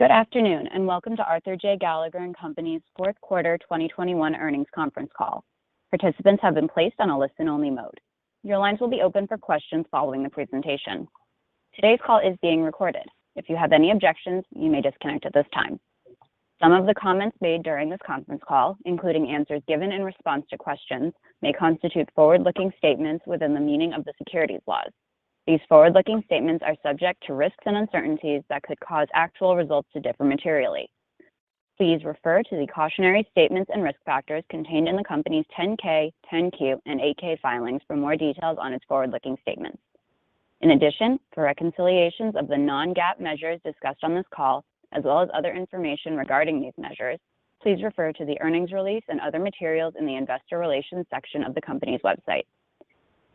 Good afternoon, and welcome to Arthur J. Gallagher & Co.'s fourth quarter 2021 earnings conference call. Participants have been placed on a listen-only mode. Your lines will be open for questions following the presentation. Today's call is being recorded. If you have any objections, you may disconnect at this time. Some of the comments made during this conference call, including answers given in response to questions, may constitute forward-looking statements within the meaning of the securities laws. These forward-looking statements are subject to risks and uncertainties that could cause actual results to differ materially. Please refer to the cautionary statements and risk factors contained in the company's 10-K, 10-Q, and 8-K filings for more details on its forward-looking statements. In addition, for reconciliations of the non-GAAP measures discussed on this call, as well as other information regarding these measures, please refer to the earnings release and other materials in the investor relations section of the company's website.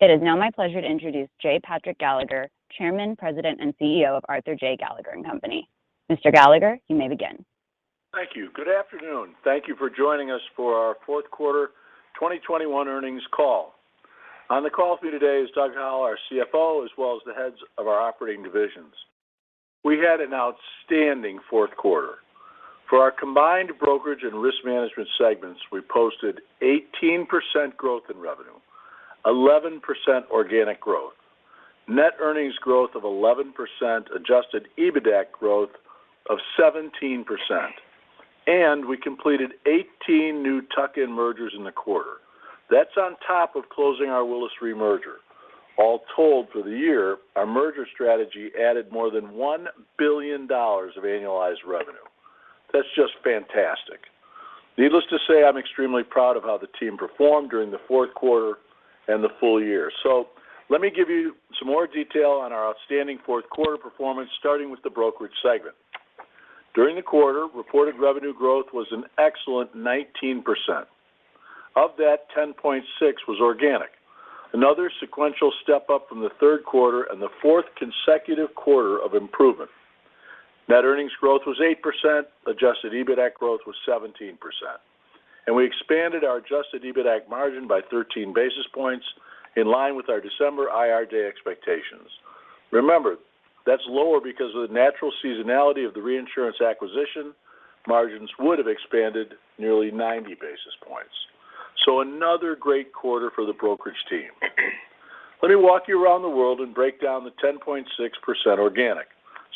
It is now my pleasure to introduce J. Patrick Gallagher, Chairman, President, and CEO of Arthur J. Gallagher & Co. Mr. Gallagher, you may begin. Thank you. Good afternoon. Thank you for joining us for our fourth quarter 2021 earnings call. On the call with me today is Doug Howell, our CFO, as well as the heads of our operating divisions. We had an outstanding fourth quarter. For our combined brokerage and risk management segments, we posted 18% growth in revenue, 11% organic growth, net earnings growth of 11%, adjusted EBITDAC growth of 17%, and we completed 18 new tuck-in mergers in the quarter. That's on top of closing our Willis Re merger. All told for the year, our merger strategy added more than $1 billion of annualized revenue. That's just fantastic. Needless to say, I'm extremely proud of how the team performed during the fourth quarter and the full year. Let me give you some more detail on our outstanding fourth quarter performance, starting with the brokerage segment. During the quarter, reported revenue growth was an excellent 19%. Of that, 10.6 was organic. Another sequential step up from the third quarter and the fourth consecutive quarter of improvement. Net earnings growth was 8%, adjusted EBITDAC growth was 17%. We expanded our adjusted EBITDAC margin by 13 basis points in line with our December IR Day expectations. Remember, that's lower because of the natural seasonality of the reinsurance acquisition, margins would have expanded nearly 90 basis points. Another great quarter for the brokerage team. Let me walk you around the world and break down the 10.6% organic,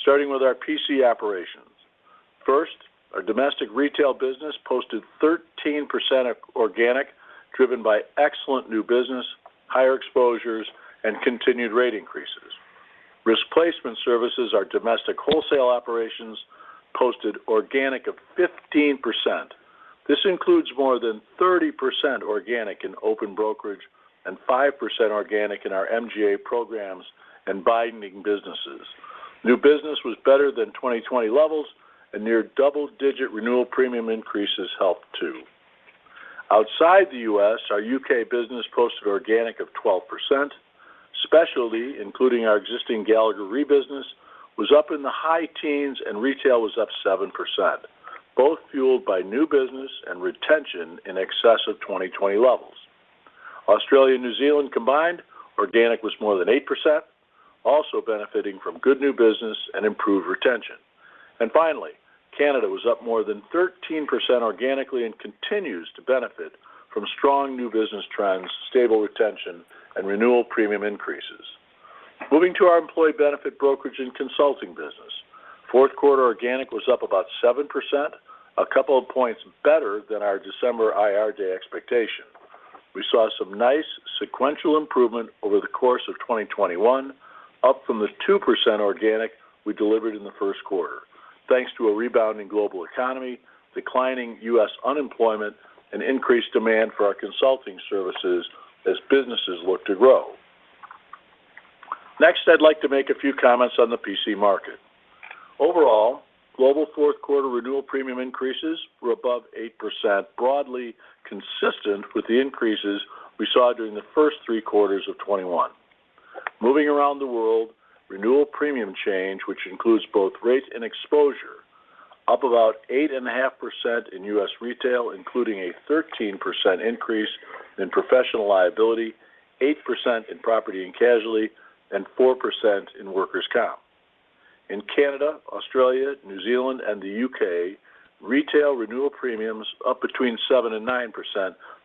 starting with our P&C operations. First, our domestic retail business posted 13% organic, driven by excellent new business, higher exposures, and continued rate increases. Risk Placement Services, our domestic wholesale operations, posted organic of 15%. This includes more than 30% organic in open brokerage and 5% organic in our MGA programs and binding businesses. New business was better than 2020 levels, and near double-digit renewal premium increases helped too. Outside the U.S., our U.K. business posted organic of 12%. Specialty, including our existing Gallagher Re business, was up in the high teens and retail was up 7%, both fueled by new business and retention in excess of 2020 levels. Australia, New Zealand combined, organic was more than 8%, also benefiting from good new business and improved retention. Finally, Canada was up more than 13% organically and continues to benefit from strong new business trends, stable retention, and renewal premium increases. Moving to our employee benefit brokerage and consulting business. Fourth quarter organic was up about 7%, a couple of points better than our December IR Day expectation. We saw some nice sequential improvement over the course of 2021, up from the 2% organic we delivered in the first quarter, thanks to a rebounding global economy, declining U.S. unemployment, and increased demand for our consulting services as businesses look to grow. Next, I'd like to make a few comments on the P&C market. Overall, global fourth quarter renewal premium increases were above 8%, broadly consistent with the increases we saw during the first three quarters of 2021. Moving around the world, renewal premium change, which includes both rates and exposure, up about 8.5% in U.S. retail, including a 13% increase in professional liability, 8% in property and casualty, and 4% in workers comp. In Canada, Australia, New Zealand, and the U.K., retail renewal premiums up between 7%-9%,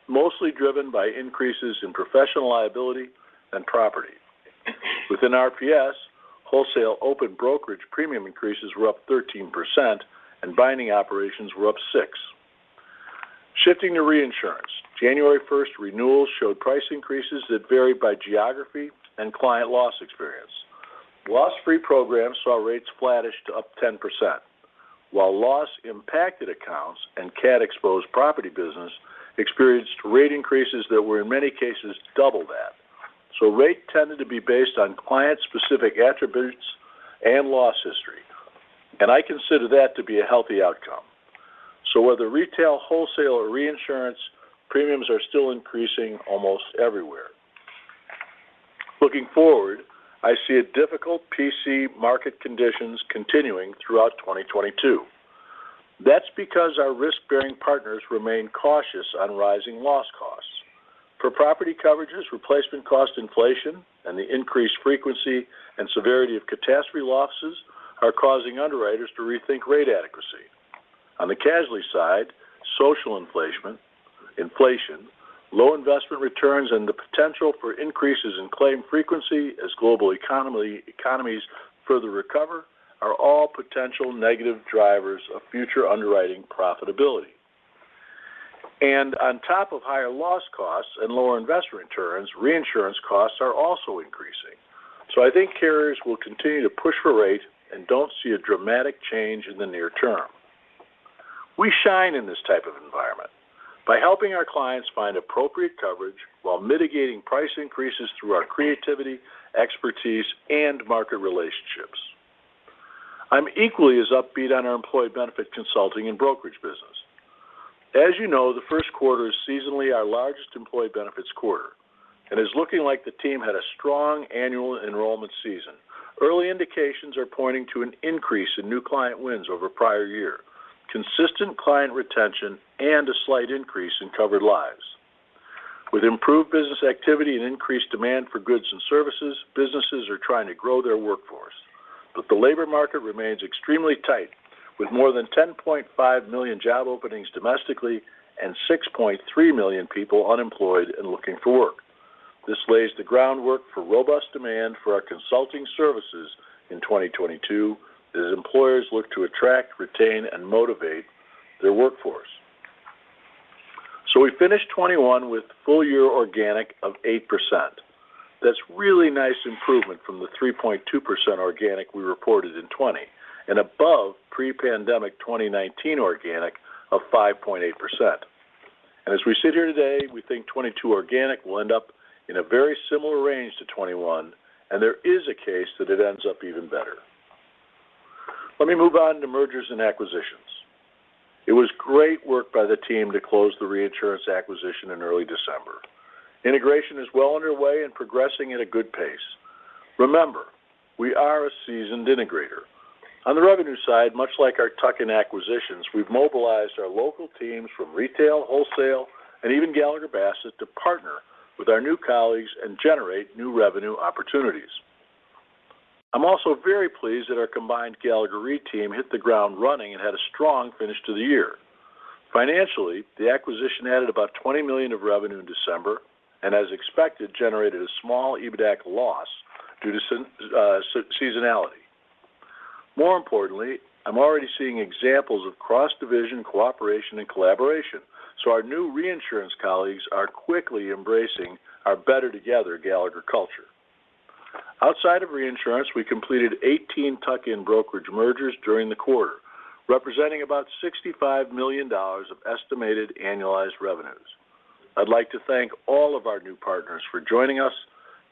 mostly driven by increases in professional liability and property. Within RPS, wholesale open brokerage premium increases were up 13%, and binding operations were up 6%. Shifting to reinsurance. January 1 renewals showed price increases that varied by geography and client loss experience. Loss-free programs saw rates flattish to up 10%, while loss impacted accounts and cat-exposed property business experienced rate increases that were in many cases double that. Rate tended to be based on client-specific attributes and loss history, and I consider that to be a healthy outcome. Whether retail, wholesale, or reinsurance, premiums are still increasing almost everywhere. Looking forward, I see a difficult P&C market conditions continuing throughout 2022. That's because our risk-bearing partners remain cautious on rising loss costs. For property coverages, replacement cost inflation and the increased frequency and severity of catastrophe losses are causing underwriters to rethink rate adequacy. On the casualty side, social inflation, low investment returns, and the potential for increases in claim frequency as global economy, economies further recover are all potential negative drivers of future underwriting profitability. On top of higher loss costs and lower investment returns, reinsurance costs are also increasing. I think carriers will continue to push for rate and don't see a dramatic change in the near term. We shine in this type of environment by helping our clients find appropriate coverage while mitigating price increases through our creativity, expertise, and market relationships. I'm equally as upbeat on our employee benefit consulting and brokerage business. As you know, the first quarter is seasonally our largest employee benefits quarter, and is looking like the team had a strong annual enrollment season. Early indications are pointing to an increase in new client wins over prior year, consistent client retention, and a slight increase in covered lives. With improved business activity and increased demand for goods and services, businesses are trying to grow their workforce, but the labor market remains extremely tight with more than 10.5 million job openings domestically and 6.3 million people unemployed and looking for work. This lays the groundwork for robust demand for our consulting services in 2022 as employers look to attract, retain, and motivate their workforce. So, we finished 2021 with full year organic of 8%. That's really nice improvement from the 3.2% organic we reported in 2020 and above pre-pandemic 2019 organic of 5.8%. As we sit here today, we think 2022 organic will end up in a very similar range to 2021, and there is a case that it ends up even better. Let me move on to mergers and acquisitions. It was great work by the team to close the reinsurance acquisition in early December. Integration is well underway and progressing at a good pace. Remember, we are a seasoned integrator. On the revenue side, much like our tuck-in acquisitions, we've mobilized our local teams from retail, wholesale, and even Gallagher Bassett to partner with our new colleagues and generate new revenue opportunities. I'm also very pleased that our combined Gallagher Re team hit the ground running and had a strong finish to the year. Financially, the acquisition added about $20 million of revenue in December, and as expected, generated a small EBITDAC loss due to seasonality. More importantly, I'm already seeing examples of cross-division cooperation and collaboration, so our new reinsurance colleagues are quickly embracing our better together Gallagher culture. Outside of reinsurance, we completed 18 tuck-in brokerage mergers during the quarter, representing about $65 million of estimated annualized revenues. I'd like to thank all of our new partners for joining us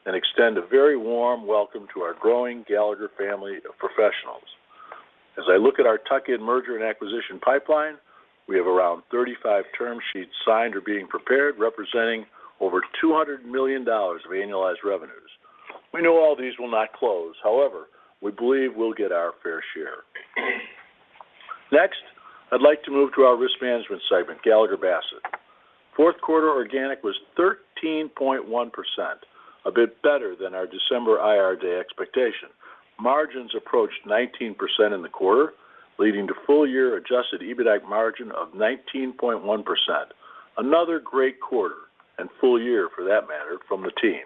and extend a very warm welcome to our growing Gallagher family of professionals. As I look at our tuck-in merger and acquisition pipeline, we have around 35 term sheets signed or being prepared, representing over $200 million of annualized revenues. We know all these will not close. However, we believe we'll get our fair share. Next, I'd like to move to our risk management segment, Gallagher Bassett. Fourth quarter organic was 13.1%, a bit better than our December IR Day expectation. Margins approached 19% in the quarter, leading to full year adjusted EBITDAC margin of 19.1%. Another great quarter and full year for that matter from the team.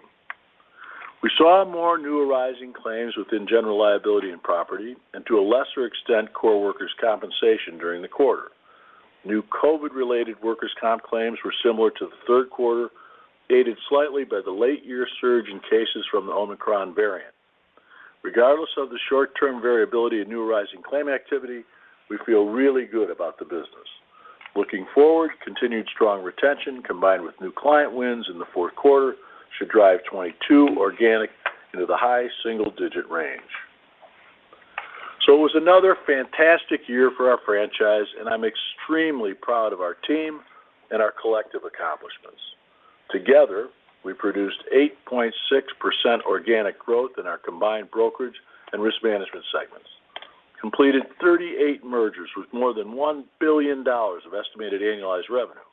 We saw more new arising claims within general liability and property, and to a lesser extent, core workers' compensation during the quarter. New COVID-related workers' comp claims were similar to the third quarter, aided slightly by the late-year surge in cases from the Omicron variant. Regardless of the short-term variability in new arising claim activity, we feel really good about the business. Looking forward, continued strong retention combined with new client wins in the fourth quarter should drive 2022 organic into the high single-digit range. It was another fantastic year for our franchise, and I'm extremely proud of our team and our collective accomplishments. Together, we produced 8.6% organic growth in our combined brokerage and risk management segments, completed 38 mergers with more than $1 billion of estimated annualized revenue,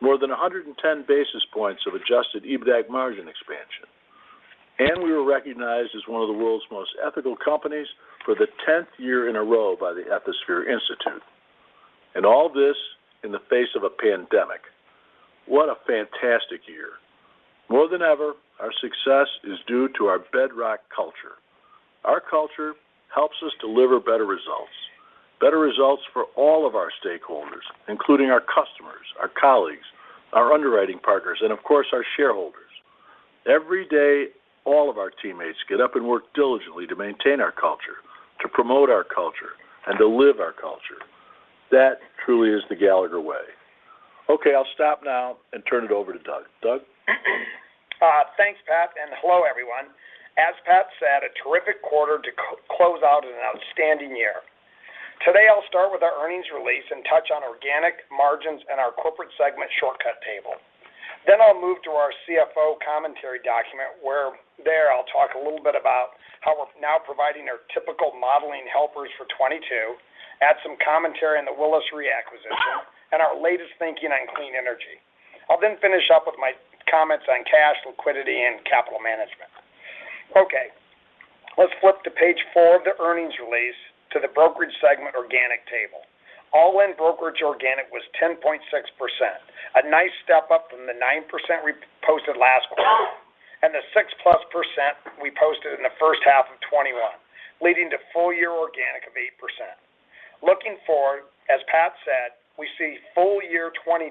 more than 110 basis points of adjusted EBITDAC margin expansion, and we were recognized as one of the world's most ethical companies for the 10th year in a row by the Ethisphere Institute. All this in the face of a pandemic. What a fantastic year. More than ever, our success is due to our bedrock culture. Our culture helps us deliver better results for all of our stakeholders, including our customers, our colleagues, our underwriting partners, and of course, our shareholders. Every day, all of our teammates get up and work diligently to maintain our culture, to promote our culture, and to live our culture. That truly is the Gallagher way. Okay, I'll stop now and turn it over to Doug. Doug? Thanks, Pat, and hello, everyone. As Pat said, a terrific quarter to close out an outstanding year. Today, I'll start with our earnings release and touch on organic margins and our corporate segment shortcut table. Then I'll move to our CFO commentary document, where I'll talk a little bit about how we're now providing our typical modeling helpers for 2022, add some commentary on the Willis Re acquisition, and our latest thinking on clean energy. I'll then finish up with my comments on cash liquidity and capital management. Okay. Let's flip to page 4 of the earnings release to the brokerage segment organic table. All-in brokerage organic was 10.6%. A nice step up from the 9% we posted last quarter, and the 6%+ we posted in the first half of 2021, leading to full-year organic of 8%. Looking forward, as Pat said, we see full year 2022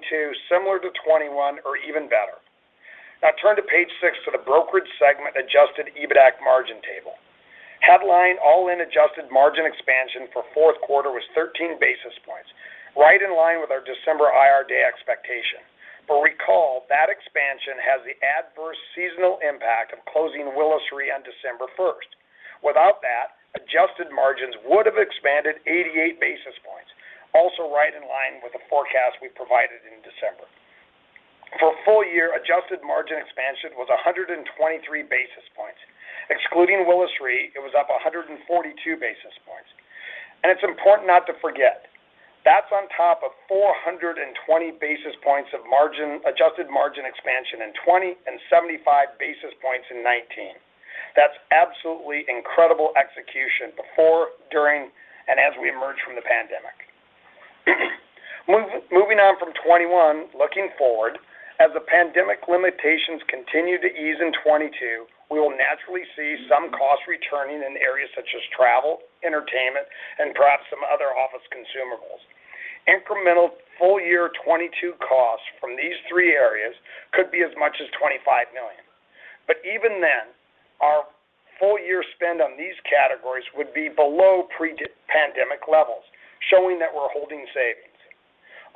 similar to 2021 or even better. Now turn to page 6 for the brokerage segment adjusted EBITDAC margin table. Headline all-in adjusted margin expansion for fourth quarter was 13 basis points, right in line with our December IR Day expectation. But recall, that expansion has the adverse seasonal impact of closing Willis Re on December 1. Without that, adjusted margins would have expanded 88 basis points, also right in line with the forecast we provided in December. For full year, adjusted margin expansion was 123 basis points. Excluding Willis Re, it was up 142 basis points. It's important not to forget, that's on top of 420 basis points of adjusted margin expansion in 2020 and 75 basis points in 2019. That's absolutely incredible execution before, during, and as we emerge from the pandemic. Moving on from 2021, looking forward, as the pandemic limitations continue to ease in 2022, we will naturally see some costs returning in areas such as travel, entertainment, and perhaps some other office consumables. Incremental full-year 2022 costs from these three areas could be as much as $25 million. Even then, our full year spend on these categories would be below pre-pandemic levels, showing that we're holding savings.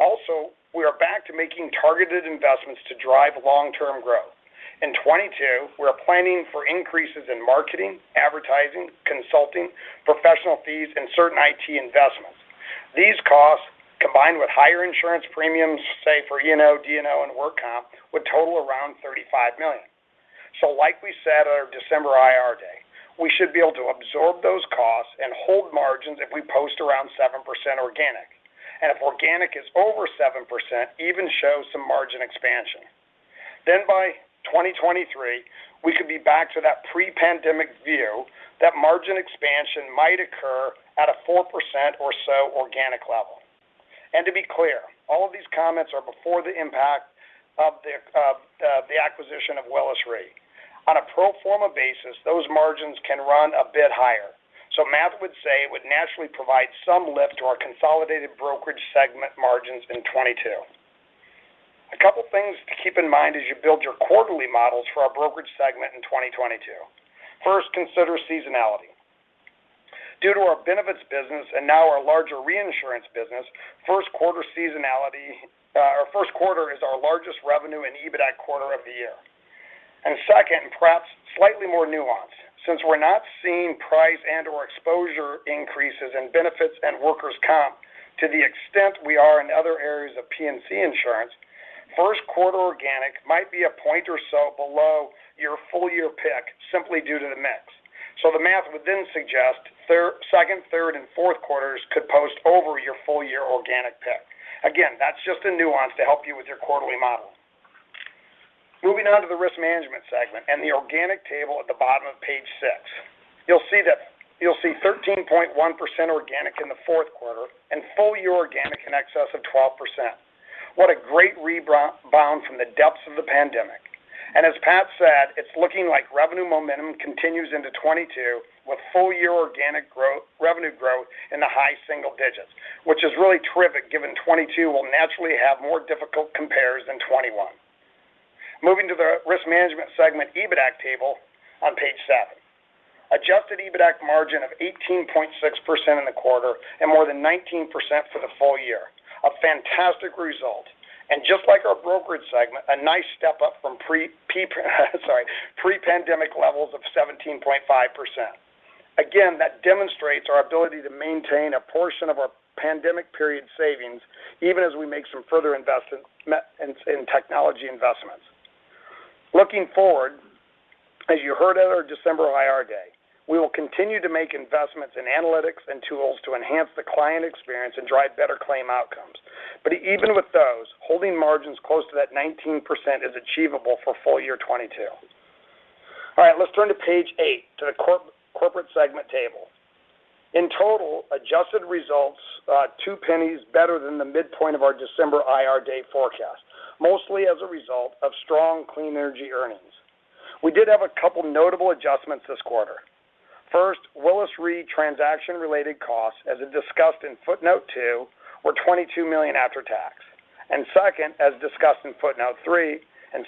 Also, we are back to making targeted investments to drive long-term growth. In 2022, we are planning for increases in marketing, advertising, consulting, professional fees, and certain IT investments. These costs, combined with higher insurance premiums, say, for E&O, D&O, and work comp, would total around $35 million. Like we said at our December IR Day, we should be able to absorb those costs and hold margins if we post around 7% organic. If organic is over 7%, even shows some margin expansion. By 2023, we should be back to that pre-pandemic view that margin expansion might occur at a 4% or so organic level. To be clear, all of these comments are before the impact of the acquisition of Willis Re. On a pro forma basis, those margins can run a bit higher. Math would say it would naturally provide some lift to our consolidated brokerage segment margins in 2022. A couple things to keep in mind as you build your quarterly models for our brokerage segment in 2022. First, consider seasonality. Due to our benefits business and now our larger reinsurance business, first quarter seasonality, or first quarter is our largest revenue and EBITDAC quarter of the year. Second, perhaps slightly more nuanced, since we're not seeing price and/or exposure increases in benefits and workers' comp to the extent we are in other areas of P&C insurance, first quarter organic might be a point or so below your full year pick simply due to the mix. The math would then suggest second, third, and fourth quarters could post over your full year organic pick. Again, that's just a nuance to help you with your quarterly model. Moving on to the risk management segment and the organic table at the bottom of page 6. You'll see 13.1% organic in the fourth quarter and full year organic in excess of 12%. What a great rebound from the depths of the pandemic. As Pat said, it's looking like revenue momentum continues into 2022 with full year organic growth, revenue growth in the high single digits, which is really terrific given 2022 will naturally have more difficult compares than 2021. Moving to the Risk Management segment EBITDAC table on page 7. Adjusted EBITDAC margin of 18.6% in the quarter and more than 19% for the full year. A fantastic result. Just like our Brokerage segment, a nice step up from pre-pandemic levels of 17.5%. Again, that demonstrates our ability to maintain a portion of our pandemic period savings, even as we make some further investments in technology investments. Looking forward, as you heard at our December IR Day, we will continue to make investments in analytics and tools to enhance the client experience and drive better claim outcomes. Even with those, holding margins close to that 19% is achievable for full year 2022. All right, let's turn to page 8, to the corporate segment table. In total, adjusted results, 2 pennies better than the midpoint of our December IR Day forecast, mostly as a result of strong clean energy earnings. We did have a couple notable adjustments this quarter. First, Willis Re transaction-related costs, as discussed in footnote two, were $22 million after tax. Second, as discussed in footnote three,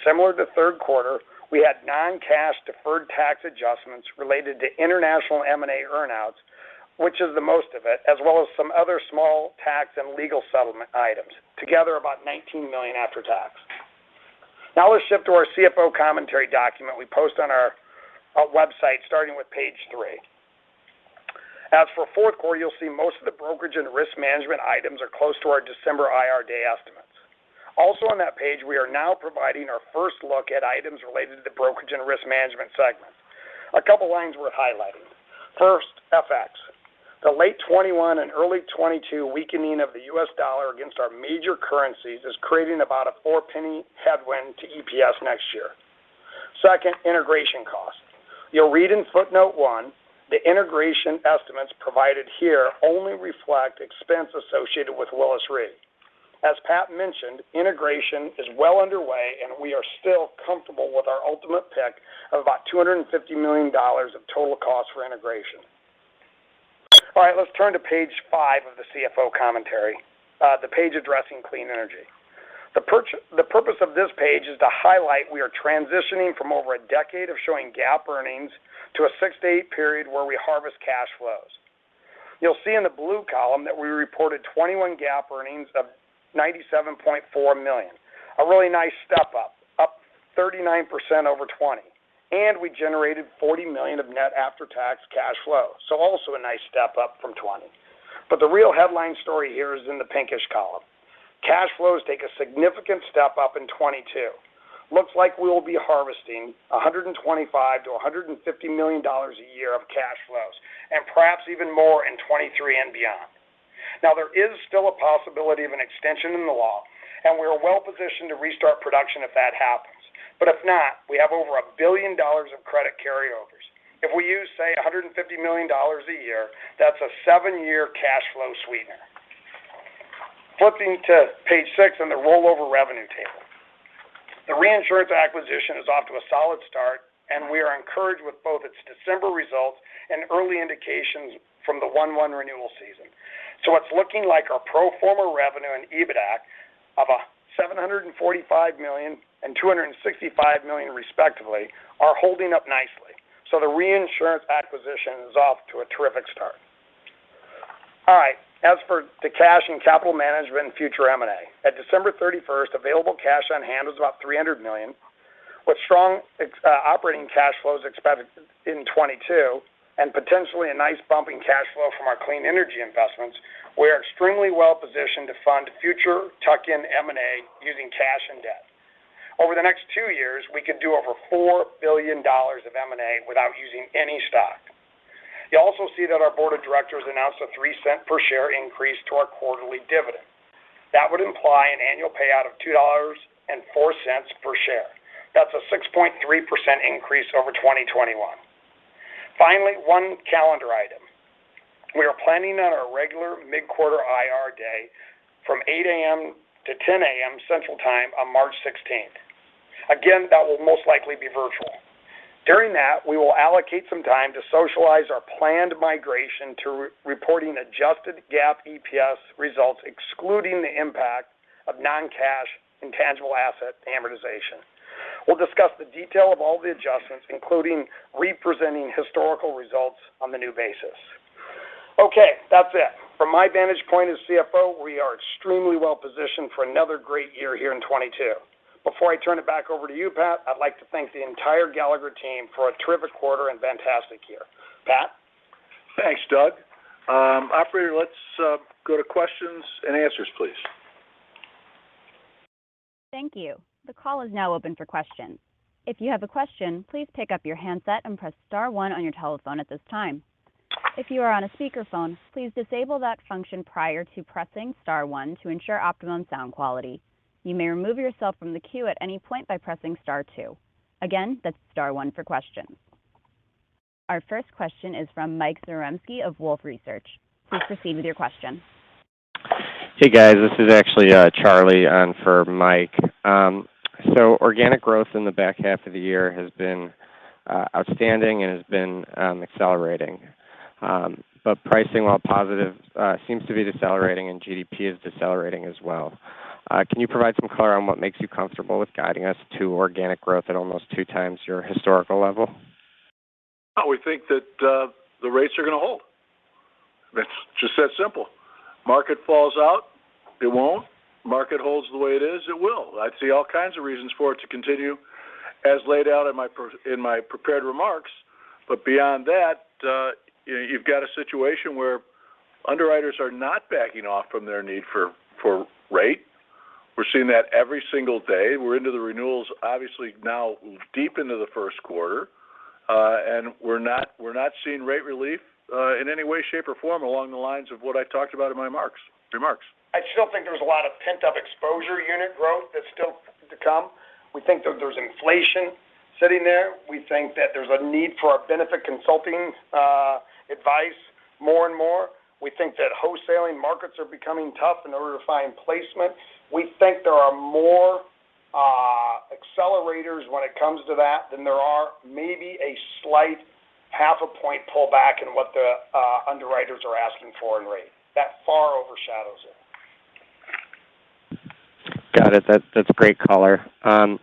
similar to third quarter, we had non-cash deferred tax adjustments related to international M&A earnouts, which is the most of it, as well as some other small tax and legal settlement items, together about $19 million after tax. Now let's shift to our CFO commentary document we post on our website starting with page 3. As for fourth quarter, you'll see most of the brokerage and risk management items are close to our December IR Day estimates. Also on that page, we are now providing our first look at items related to the brokerage and risk management segment. A couple lines we're highlighting. First, FX. The late 2021 and early 2022 weakening of the U.S. dollar against our major currencies is creating about a 4-penny headwind to EPS next year. Second, integration costs. You'll read in footnote one, the integration estimates provided here only reflect expense associated with Willis Re. As Pat mentioned, integration is well underway, and we are still comfortable with our ultimate pick of about $250 million of total cost for integration. All right, let's turn to page 5 of the CFO commentary, the page addressing clean energy. The purpose of this page is to highlight we are transitioning from over a decade of showing GAAP earnings to a 60 period where we harvest cash flows. You'll see in the blue column that we reported 2021 GAAP earnings of $97.4 million, a really nice step up, 39% over 2020, and we generated $40 million of net after-tax cash flow. Also, a nice step up from 2020. The real headline story here is in the pinkish column. Cash flows take a significant step up in 2022. Looks like we'll be harvesting $125 million-$150 million a year of cash flows and perhaps even more in 2023 and beyond. Now, there is still a possibility of an extension in the law, and we are well-positioned to restart production if that happens. If not, we have over $1 billion of credit carryovers. If we use, say, $150 million a year, that's a seven-year cash flow sweetener. Flipping to page 6 on the rollover revenue table. The reinsurance acquisition is off to a solid start, and we are encouraged with both its December results and early indications from the 1/1 renewal season. It's looking like our pro forma revenue and EBITDAC of about $745 million and $265 million, respectively, are holding up nicely. The reinsurance acquisition is off to a terrific start. All right, as for the cash and capital management and future M&A. On December 31, available cash on hand was about $300 million. With strong operating cash flows expected in 2022 and potentially a nice bump in cash flow from our clean energy investments, we are extremely well-positioned to fund future tuck-in M&A using cash and debt. Over the next two years, we could do over $4 billion of M&A without using any stock. You also see that our board of directors announced a 3-cent per share increase to our quarterly dividend. That would imply an annual payout of $2.04 per share. That's a 6.3% increase over 2021. Finally, one calendar item. We are planning on our regular mid-quarter IR Day from 8:00 A.M. to 10:00 A.M. Central Time on March 16. Again, that will most likely be virtual. During that, we will allocate some time to socialize our planned migration to re-reporting adjusted GAAP EPS results, excluding the impact of non-cash intangible asset amortization. We'll discuss the detail of all the adjustments, including representing historical results on the new basis. Okay, that's it. From my vantage point as CFO, we are extremely well-positioned for another great year here in 2022. Before I turn it back over to you, Pat, I'd like to thank the entire Gallagher team for a terrific quarter and fantastic year. Pat? Thanks, Doug. Operator let's go to questions and answers, please. Thank you. The call is now open for questions. If you have a question, please pick up your handset and press star one on your telephone at this time. If you are on a speakerphone, please disable that function prior to pressing star one to ensure optimum sound quality. You may remove yourself from the queue at any point by pressing star two. Again, that's star one for questions. Our first question is from Mike Zaremski of Wolfe Research. Please proceed with your question. Hey, guys, this is actually Charlie on for Mike. Organic growth in the back half of the year has been outstanding and has been accelerating. Pricing, while positive, seems to be decelerating and GDP is decelerating as well. Can you provide some color on what makes you comfortable with guiding us to organic growth at almost two times your historical level? Well, we think that the rates are gonna hold. It's just that simple. Market falls out, it won't. Market holds the way it is, it will. I see all kinds of reasons for it to continue as laid out in my prepared remarks. But beyond that, you've got a situation where underwriters are not backing off from their need for rate. We're seeing that every single day. We're into the renewals, obviously now deep into the first quarter, and we're not seeing rate relief in any way, shape, or form along the lines of what I talked about in my remarks. I still think there's a lot of pent-up exposure unit growth that's still to come. We think that there's inflation sitting there. We think that there's a need for our benefit consulting advice more and more. We think that wholesaling markets are becoming tough in order to find placement. We think there are more accelerators when it comes to that than there is maybe a slight half a point pullback in what the underwriters are asking for in rate. That far overshadows it. Got it. That's great color. On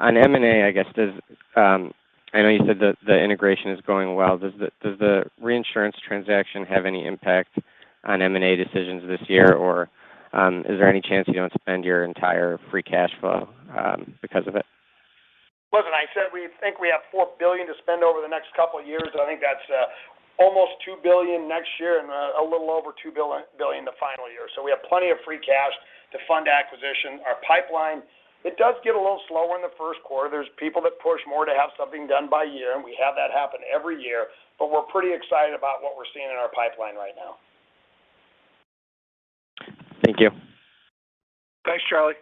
M&A, I guess, I know you said the integration is going well. Does the reinsurance transaction have any impact on M&A decisions this year? Is there any chance you don't spend your entire free cash flow because of it? Listen, I said we think we have $4 billion to spend over the next couple of years. I think that's almost $2 billion next year and a little over $2 billion the final year. We have plenty of free cash to fund acquisition. Our pipeline, it does get a little slower in the first quarter. There are people that push more to have something done by year, and we have that happen every year, but we're pretty excited about what we're seeing in our pipeline right now. Thank you. Thanks, Charlie.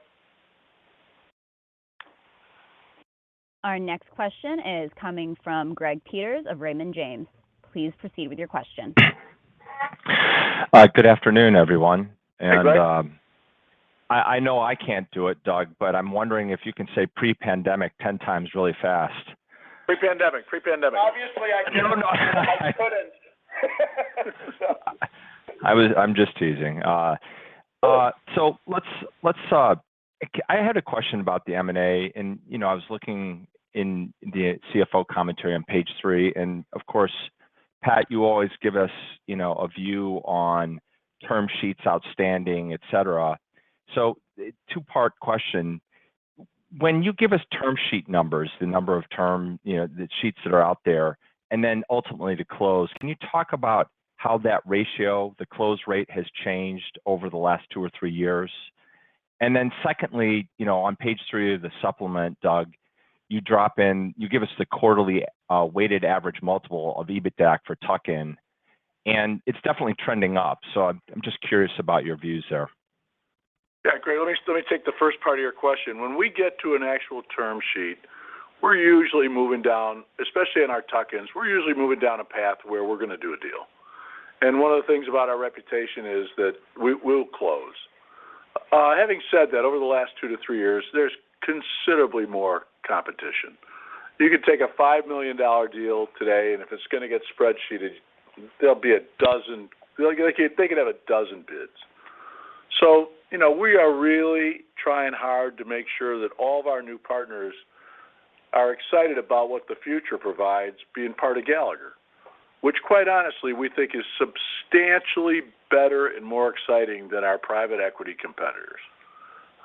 Our next question is coming from Greg Peters of Raymond James. Please proceed with your question. Good afternoon, everyone. Hey, Greg. I know I can't do it, Doug, but I'm wondering if you can say pre-pandemic ten times really fast. Pre-pandemic. Obviously, I cannot. I couldn't. I'm just teasing. I had a question about the M&A, and you know, I was looking in the CFO commentary on page 3, and of course, Pat, you always give us you know, a view on term sheets outstanding, et cetera. Two-part question. When you give us term sheet numbers, the number of term sheets that are out there, and then ultimately to close, can you talk about how that ratio, the close rate has changed over the last two or three years? Secondly, you know, on page 3 of the supplement, Doug, you give us the quarterly weighted average multiple of EBITDAC for tuck-in, and it's definitely trending up. I'm just curious about your views there. Yeah. Great. Let me take the first part of your question. When we get to an actual term sheet, we're usually moving down, especially in our tuck-ins, we're usually moving down a path where we're gonna do a deal. One of the things about our reputation is that we'll close. Having said that, over the last two to three years, there's considerably more competition. You could take a $5 million deal today, and if it's gonna get spreadsheeted, there'll be a dozen. Like, you're thinking of a dozen bids. You know, we are really trying hard to make sure that all of our new partners are excited about what the future provides being part of Gallagher, which quite honestly, we think is substantially better and more exciting than our private equity competitors.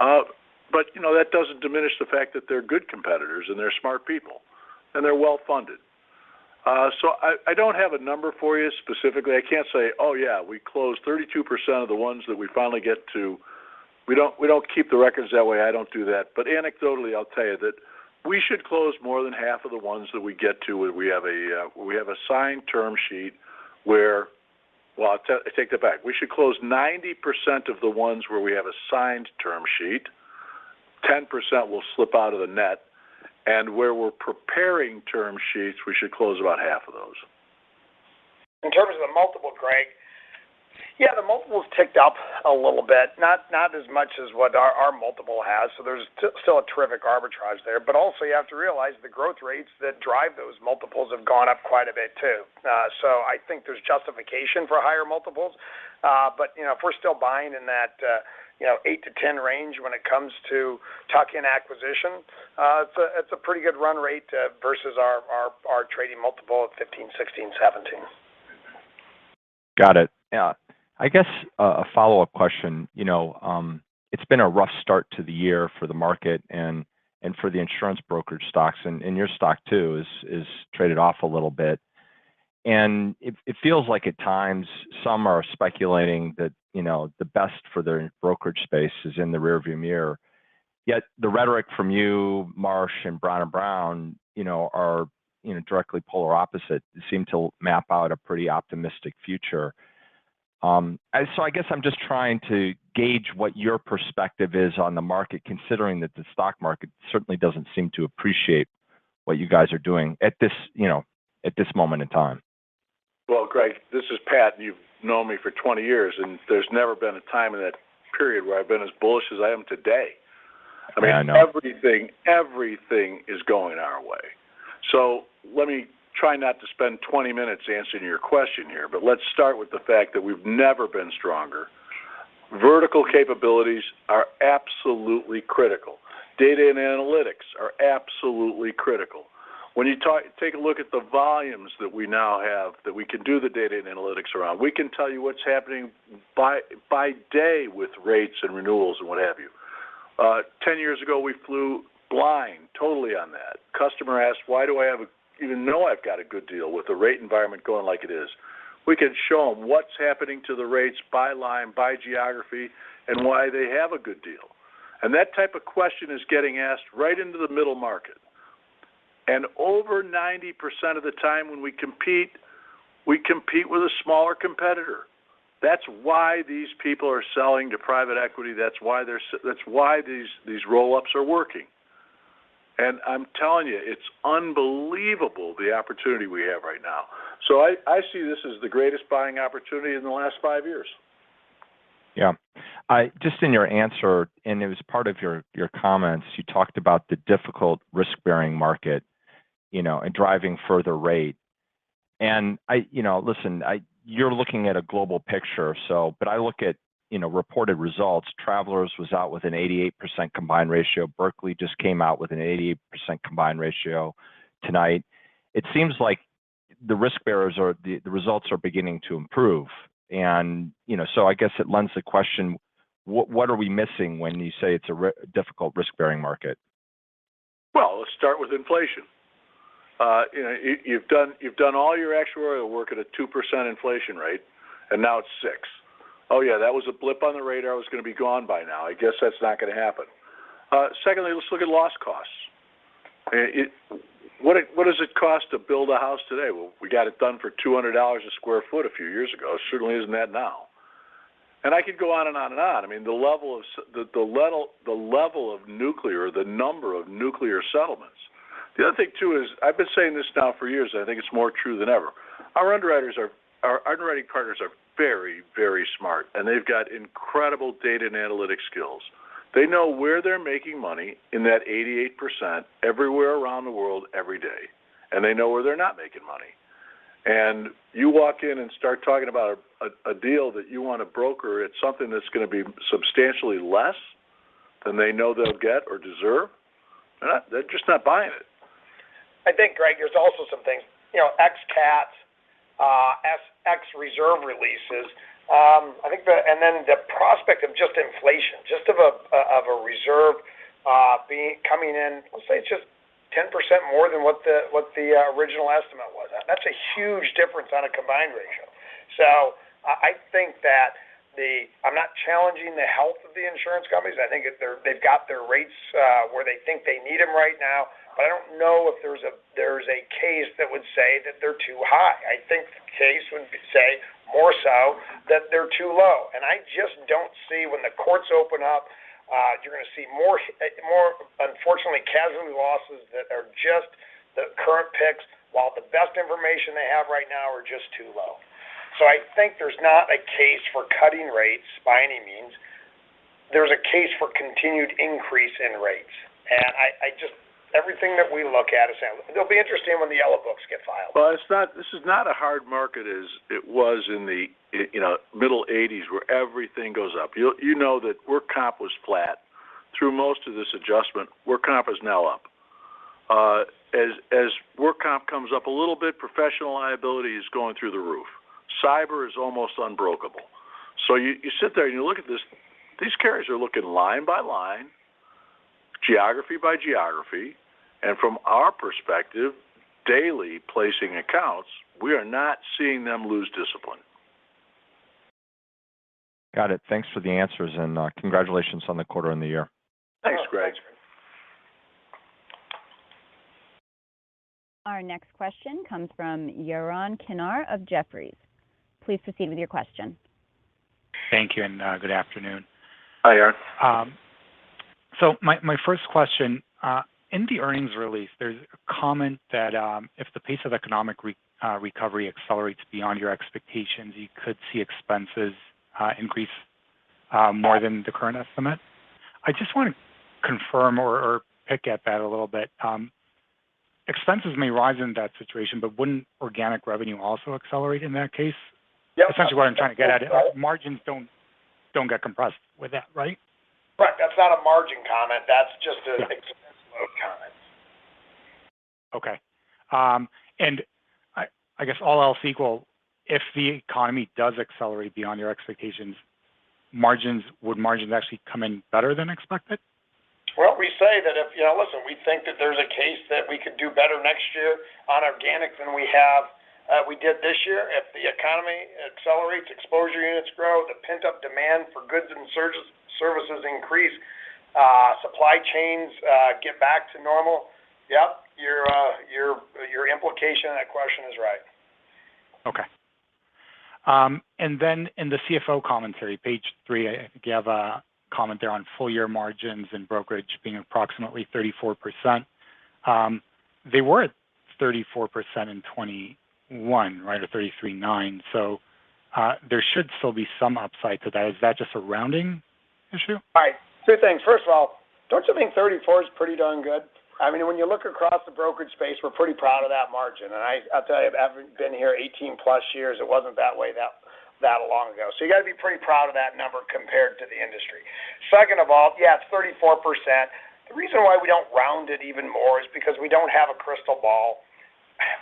You know, that doesn't diminish the fact that they're good competitors, and they're smart people, and they're well-funded. I don't have a number for you specifically. I can't say, "Oh, yeah, we closed 32% of the ones that we finally get to." We don't keep the records that way. I don't do that. Anecdotally, I'll tell you that we should close more than half of the ones that we get to where we have a signed term sheet. Well, I take that back. We should close 90% of the ones where we have a signed term sheet. 10% will slip out of the net. Where we're preparing term sheets, we should close about half of those. In terms of the multiple, Greg, yeah, the multiples ticked up a little bit, not as much as what our multiple has, so there's still a terrific arbitrage there. You have to realize the growth rates that drive those multiples have gone up quite a bit too. I think there's justification for higher multiples. You know, if we're still buying in that, you know, 8-10 range when it comes to tuck-in acquisition, it's a pretty good run rate versus our trading multiple of 15, 16, 17. Got it. Yeah. I guess a follow-up question. You know, it's been a rough start to the year for the market and for the insurance brokerage stocks and your stock too is traded off a little bit. It feels like at times some are speculating that, you know, the best for their brokerage space is in the rear-view mirror. Yet the rhetoric from you, Marsh and Brown & Brown, you know, are, you know, directly polar opposite, seem to map out a pretty optimistic future. So, I guess I'm just trying to gauge what your perspective is on the market, considering that the stock market certainly doesn't seem to appreciate what you guys are doing at this, you know, moment in time. Well, Greg, this is Pat. You've known me for 20 years, and there's never been a time in that period where I've been as bullish as I am today. Yeah, I know. I mean, everything is going our way. Let me try not to spend 20 minutes answering your question here, but let's start with the fact that we've never been stronger. Vertical capabilities are absolutely critical. Data and analytics are absolutely critical. When you take a look at the volumes that we now have, that we can do the data and analytics around, we can tell you what's happening by day with rates and renewals and what have you. 10 years ago, we flew blind totally on that. Customer asked, "Why do I even know I've got a good deal with the rate environment going like it is?" We can show them what's happening to the rates by line, by geography, and why they have a good deal. That type of question is getting asked right into the middle market. And over 90% of the time when we compete, we compete with a smaller competitor. That's why these people are selling to private equity. That's why these roll-ups are working. I'm telling you, it's unbelievable the opportunity we have right now. I see this as the greatest buying opportunity in the last five years. Yeah. I just in your answer, and it was part of your comments, you talked about the difficult risk-bearing market, you know, and driving further rate. I, you know, listen, you're looking at a global picture, so, but I look at, you know, reported results. Travelers was out with an 88% combined ratio. Berkley just came out with an 88% combined ratio tonight. It seems like the risk bearers are the results are beginning to improve. You know, so I guess it lends the question, what are we missing when you say it's a difficult risk-bearing market? Well, let's start with inflation. You know, you've done all your actuarial work at a 2% inflation rate, and now it's 6%. Oh, yeah, that was a blip on the radar. It was gonna be gone by now. I guess that's not gonna happen. Secondly, let's look at loss costs. What does it cost to build a house today? Well, we got it done for $200 a sq ft a few years ago. It certainly isn't that now. I could go on and on and on. I mean, the level of nuclear, the number of nuclear settlements. The other thing too is, I've been saying this now for years, I think it's more true than ever. Our underwriting partners are very, very smart, and they've got incredible data and analytic skills. They know where they're making money in that 88% everywhere around the world every day, and they know where they're not making money. You walk in and start talking about a deal that you want to broker at something that's going to be substantially less than they know they'll get or deserve, they're just not buying it. I think, Greg, there's also some things, you know, ex cats, ex reserve releases. I think the prospect of just inflation, just of a reserve coming in, let's say, just 10% more than what the original estimate was. That's a huge difference on a combined ratio. I think I'm not challenging the health of the insurance companies. I think if they've got their rates where they think they need them right now. I don't know if there's a case that would say that they're too high. I think the case would say more so that they're too low. I just don't see when the courts open up, you're going to see more, unfortunately, casualty losses that are just the current picks while the best information they have right now are just too low. I think there's not a case for cutting rates by any means. There's a case for continued increase in rates. Everything that we look at is saying it'll be interesting when the Yellow Books get filed. Well, this is not a hard market as it was in the, you know, middle eighties where everything goes up. You know that work comp was flat through most of this adjustment. Work comp is now up. As work comp comes up a little bit, professional liability is going through the roof. Cyber is almost unbreakable. You sit there and you look at this. These carriers are looking for line by line, geography by geography, and from our perspective, daily placing accounts, we are not seeing them lose discipline. Got it. Thanks for the answers, and congratulations on the quarter and the year. Thanks, Greg. Our next question comes from Yaron Kinar of Jefferies. Please proceed with your question. Thank you, and, good afternoon. Hi, Yaron. My first question. In the earnings release, there's a comment that if the pace of economic recovery accelerates beyond your expectations, you could see expenses increased more than the current estimate. I just want to confirm or pick at that a little bit. Expenses may rise in that situation, but wouldn't organic revenue also accelerate in that case? Yeah. Essentially what I'm trying to get at is margins don't get compressed with that, right? Right. That's not a margin comment. That's just an. Yeah. Expense load comment. Okay. I guess all else equal, if the economy does accelerate beyond your expectations, margins would actually come in better than expected? Well, you know, listen, we think that there's a case that we could do better next year on organic than we have, we did this year. If the economy accelerates, exposure units grow, the pent-up demand for goods and services increases, supply chains get back to normal. Yep, your implication of that question is right. Okay. In the CFO commentary, page 3, I think you have a comment there on full year margins and brokerage being approximately 34%. They were at 34% in 2021, right, or 33.9%. There should still be some upside to that. Is that just a rounding issue? All right. Two things. First of all, don't you think 34 is pretty darn good? I mean, when you look across the brokerage space, we're pretty proud of that margin. I'll tell you, I've been here 18+ years, it wasn't that way that long ago. You got to be pretty proud of that number compared to the industry. Second of all, yeah, it's 34%. The reason why we don't round it even more is because we don't have a crystal ball.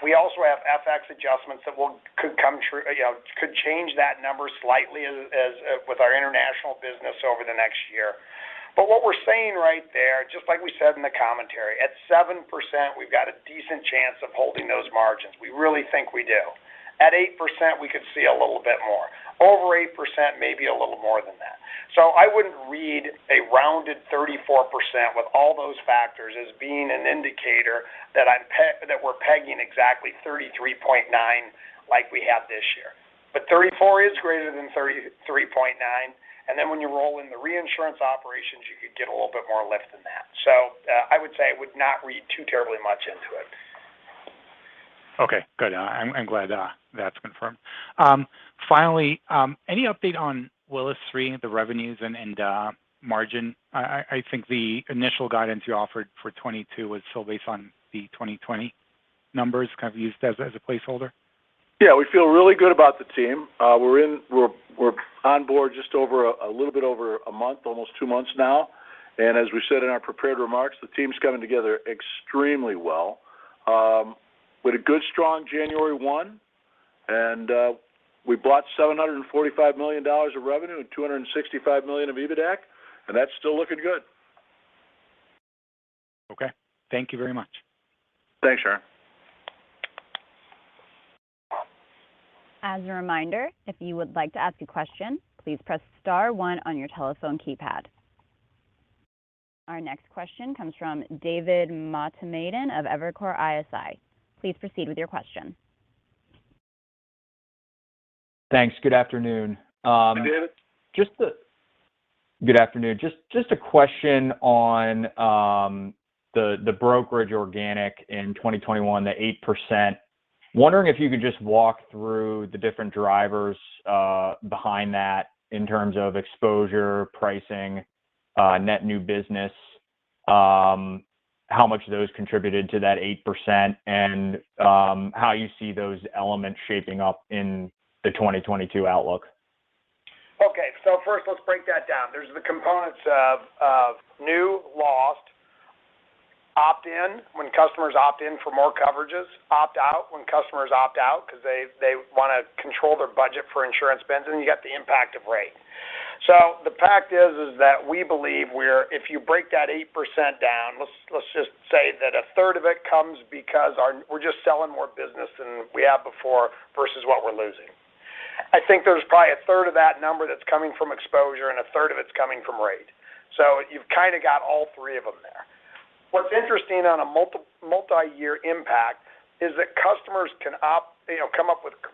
We also have FX adjustments that could come true, you know, could change that number slightly as with our international business over the next year. What we're saying right there, just like we said in the commentary, at 7%, we've got a decent chance of holding those margins. We really think we do. At 8%, we could see a little bit more. Over 8%, maybe a little more than that. I wouldn't read a rounded 34% with all those factors as being an indicator that we're pegging exactly 33.9 like we have this year but 34 is greater than 33.9. Then when you roll in the reinsurance operations, you could get a little bit more lift than that. I would say I would not read too terribly much into it. Okay, good. I'm glad that's confirmed. Finally, any update on Willis Re, the revenues and margin? I think the initial guidance you offered for 2022 was still based on the 2020 numbers, kind of used as a placeholder. Yeah. We feel really good about the team. We're on board just over a little bit over a month, almost two months now. As we said in our prepared remarks, the team's coming together extremely well, with a good strong January 1. We brought $745 million of revenue and $265 million of EBITDAC, and that's still looking good. Okay. Thank you very much. Thanks, Yaron. As a reminder, if you would like to ask a question, please press star one on your telephone keypad. Our next question comes from David Motemaden of Evercore ISI. Please proceed with your question. Thanks. Good afternoon. Hi, David. Good afternoon. Just a question on the brokerage organic in 2021, the 8%. Wondering if you could just walk through the different drivers behind that in terms of exposure, pricing, net new business, how much those contributed to that 8% and how you see those elements shaping up in the 2022 outlook. Okay. First, let's break that down. There are the components of new, lost, opt-in, when customers opt in for more coverages, opt-out, when customers opt-out 'cause they wanna control their budget for insurance spends, and you got the impact of rate. The fact is that we believe we're if you break that 8% down, let's just say that a third of it comes because we're just selling more business than we have before versus what we're losing. I think there's probably a third of that number that's coming from exposure, and a third of its coming from rate. You've kinda got all three of them there. What's interesting on a multi-year impact is that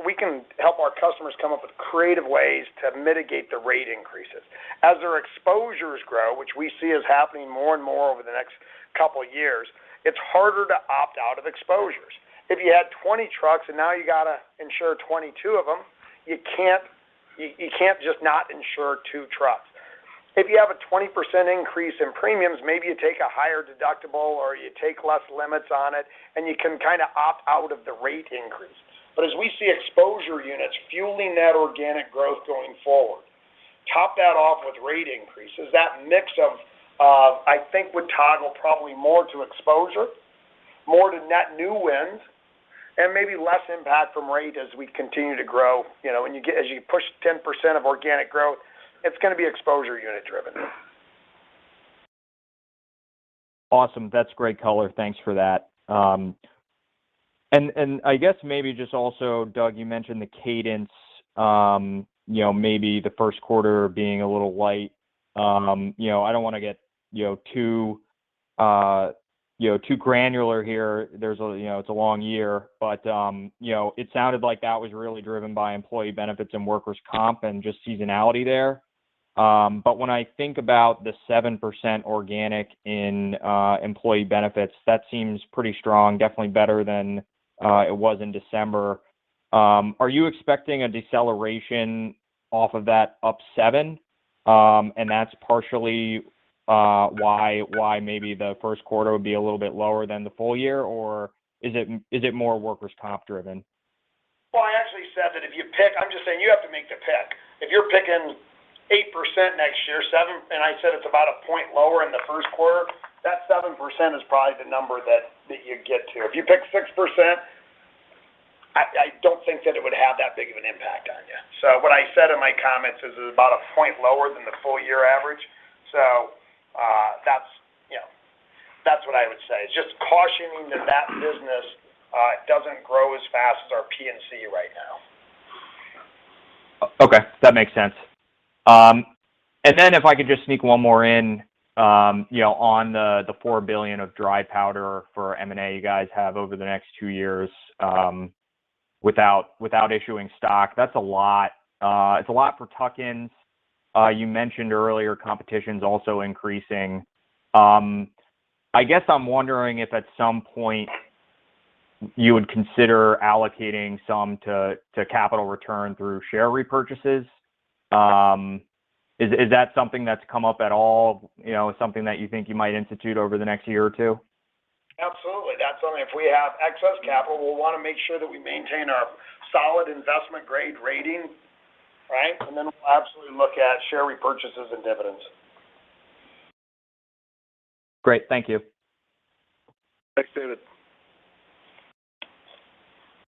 we can help our customers come up with creative ways to mitigate the rate increases. As their exposures grow, which we see is happening more and more over the next couple years, it's harder to opt out of exposures. If you had 20 trucks and now you gotta insure 22 of them, you can't just not insure two trucks. If you have a 20% increase in premiums, maybe you take a higher deductible or you take less limits on it, and you can kinda opt out of the rate increase. As we see exposure units fueling that organic growth going forward, top that off with rate increases, that mix of, I think would toggle probably more to exposure, more to net new wins, and maybe less impact from rate as we continue to grow. You know, when you push 10% of organic growth, it's gonna be exposure unit driven. Awesome. That's great color. Thanks for that. I guess maybe just also, Doug, you mentioned the cadence, you know, maybe the first quarter being a little light. You know, I don't wanna get, you know, too, you know, too granular here. There's a, you know, it's a long year. You know, it sounded like that was really driven by employee benefits and workers' comp and just seasonality there. When I think about the 7% organic in employee benefits, that seems pretty strong, definitely better than it was in December. Are you expecting a deceleration off of that up seven, and that's partially why maybe the first quarter would be a little bit lower than the full year, or is it more workers' comp driven? Well, I actually said that if you pick. I'm just saying you have to make the pick. If you're picking 8% next year, and I said it's about a point lower in the first quarter, that 7% is probably the number that you'd get to. If you pick 6%, I don't think that it would have that big of an impact on you. What I said in my comments is it's about a point lower than the full year average. That's, you know, that's what I would say. Just cautioning that that business doesn't grow as fast as our P&C right now. Okay. That makes sense. And then if I could just sneak one more in, you know, on the $4 billion of dry powder for M&A you guys have over the next two years, without issuing stock. That's a lot. It's a lot for tuck-ins. You mentioned earlier competition's also increasing. I guess I'm wondering if at some point you would consider allocating some to capital return through share repurchases. Is that something that's come up at all? You know, something that you think you might institute over the next year or two? Absolutely. That's something. If we have excess capital, we'll wanna make sure that we maintain our solid investment grade rating, right? We'll absolutely look at share repurchases and dividends. Great. Thank you. Thanks, David.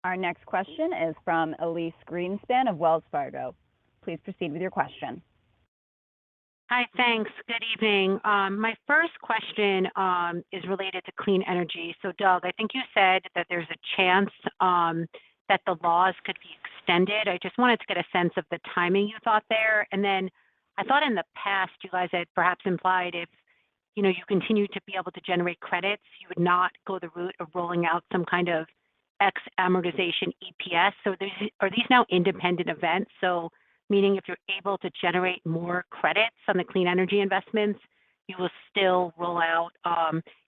Our next question is from Elyse Greenspan of Wells Fargo. Please proceed with your question. Hi. Thanks. Good evening. My first question is related to clean energy. Doug, I think you said that there's a chance that the laws could be extended. I just wanted to get a sense of the timing you thought there. Then I thought in the past, you guys had perhaps implied if, you know, you continue to be able to generate credits, you would not go the route of rolling out some kind of tax amortization EPS. Are these now independent events? Meaning if you're able to generate more credits on the clean energy investments, you will still roll out,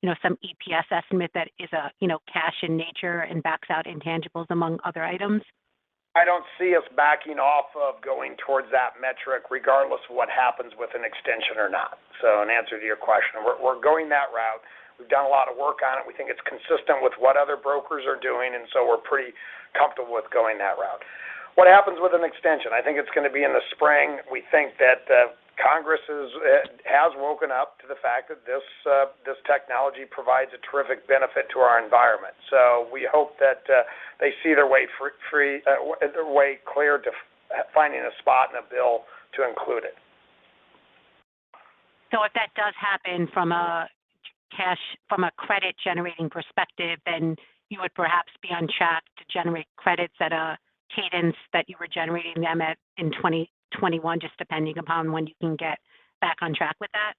you know, some EPS estimate that is, you know, cash in nature and backs out intangibles among other items? I don't see us backing off of going towards that metric regardless of what happens with an extension or not. In answer to your question, we're going that route. We've done a lot of work on it. We think it's consistent with what other brokers are doing, and we're pretty comfortable with going that route. What happens with an extension? I think it's gonna be in the spring. We think that Congress has woken up to the fact that this technology provides a terrific benefit to our environment. We hope that they see their way clear to finding a spot in a bill to include it. If that does happen from a cash, from a credit generating perspective, then you would perhaps be on track to generate credits at a cadence that you were generating them at in 2021, just depending upon when you can get back on track with that?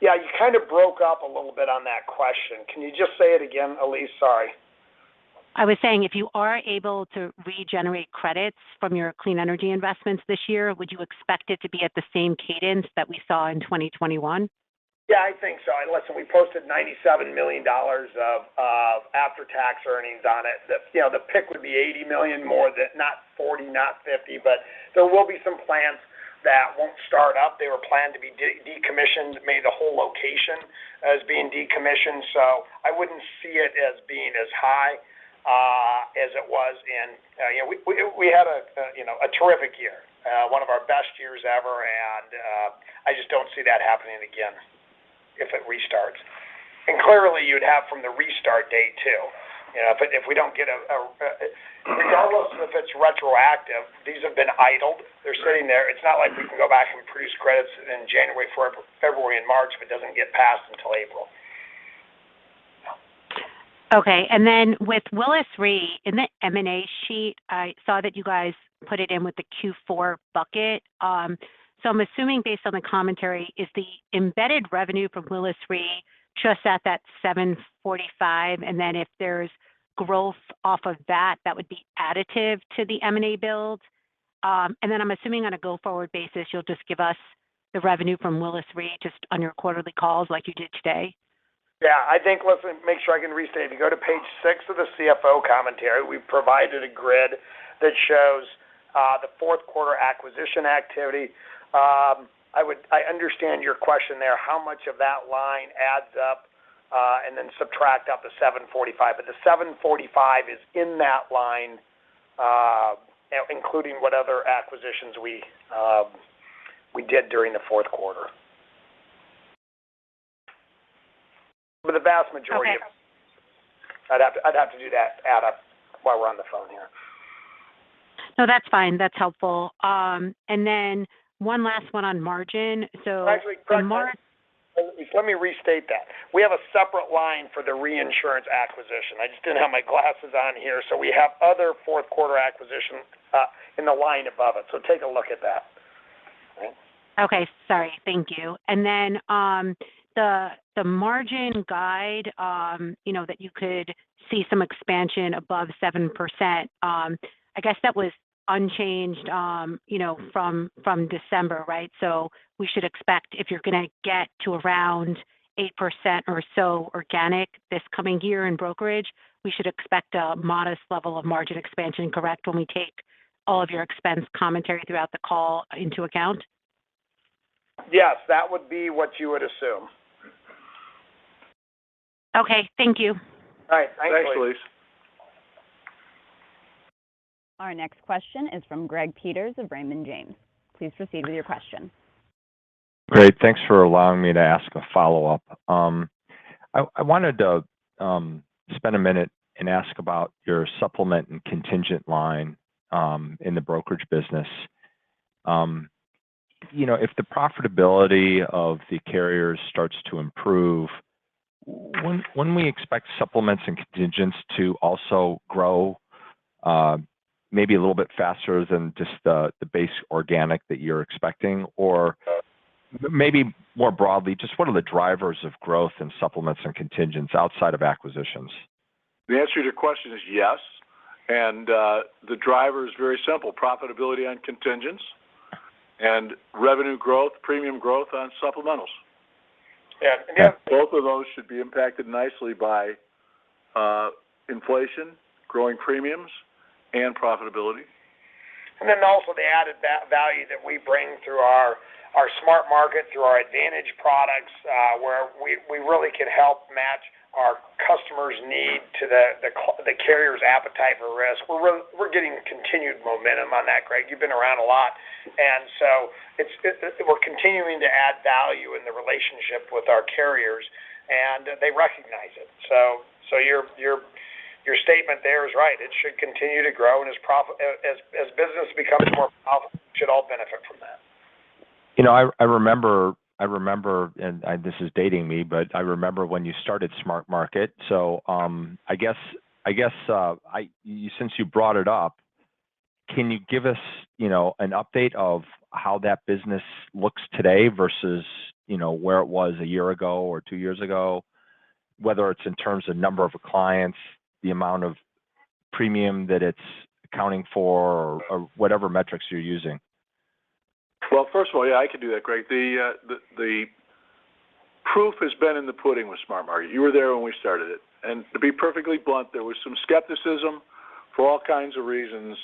Yeah, you kind of broke up a little bit on that question. Can you just say it again, Elyse? Sorry. I was saying if you are able to regenerate credits from your clean energy investments this year, would you expect it to be at the same cadence that we saw in 2021? Yeah, I think so. Listen, we posted $97 million of after-tax earnings on it. The peak would be $80 million more than, not $40 million, not $50 million. There will be some plants that won't start up. They were planned to be decommissioned, marked the whole location as being decommissioned. I wouldn't see it as being as high as it was. We had a terrific year, one of our best years ever. I just don't see that happening again if it restarts. Clearly you'd have from the restart date, too. If we don't get a. Regardless if it's retroactive, these have been idled. They're sitting there. It's not like we can go back and produce credits in January, February, and March, if it doesn't get passed until April. Okay. With Willis Re, in the M&A sheet, I saw that you guys put it in with the Q4 bucket. I'm assuming based on the commentary, is the embedded revenue from Willis Re just at that $745, and then if there's growth off of that would be additive to the M&A build? I'm assuming on a go-forward basis, you'll just give us the revenue from Willis Re just on your quarterly calls like you did today? Yeah, I think. Listen, make sure I can restate. If you go to page 6 of the CFO commentary, we provided a grid that shows the fourth quarter acquisition activity. I understand your question there. How much of that line adds up and then subtract out the $745. The $745 is in that line, including what other acquisitions we did during the fourth quarter. For the vast majority of it. Okay. I'd have to do that add up while we're on the phone here. No, that's fine. That's helpful. One last one on margin. Actually, let me The mar- Let me restate that. We have a separate line for the reinsurance acquisition. I just didn't have my glasses on here. We have other fourth quarter acquisitions in the line above it. Take a look at that. All right? Okay. Sorry. Thank you. The margin guide, you know, that you could see some expansion above 7%, I guess that was unchanged, you know, from December, right? We should expect if you're gonna get to around 8% or so organic this coming year in brokerage, we should expect a modest level of margin expansion, correct, when we take all of your expense commentary throughout the call into account. Yes. That would be what you would assume. Okay. Thank you. All right. Thanks, Elyse. Thanks, Elyse. Our next question is from Greg Peters of Raymond James. Please proceed with your question. Great. Thanks for allowing me to ask a follow-up. I wanted to spend a minute and ask about your supplement and contingent line in the brokerage business. You know, if the profitability of the carriers starts to improve, when we expect supplements and contingents to also grow, maybe a little bit faster than just the base organic that you're expecting? Or maybe more broadly, just what are the drivers of growth in supplements and contingents outside of acquisitions? The answer to your question is yes. The driver is very simple, profitability on contingents and revenue growth, premium growth on supplementals. Yeah. Both of those should be impacted nicely by inflation, growing premiums, and profitability and the added value that we bring through our SmartMarket, through our Advantage products, where we really can help match our customers' need to the carrier's appetite for risk. We're getting continued momentum on that, Greg. You've been around a lot. We're continuing to add value in the relationship with our carriers, and they recognize it. Your statement there is right. It should continue to grow. As business becomes more profitable, we should all benefit from that. You know, I remember, and this is dating me, but I remember when you started SmartMarket. I guess since you brought it up, can you give us, you know, an update of how that business looks today versus, you know, where it was a year ago or two years ago? Whether it's in terms of number of clients, the amount of premium that it's accounting for or whatever metrics you're using. Well, first of all, yeah, I can do that, Greg. The proof has been in the pudding with SmartMarket. You were there when we started it. To be perfectly blunt, there was some skepticism for all kinds of reasons